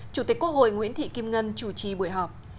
chủ tịch quốc hội nguyễn thị kim ngân chủ trì buổi họp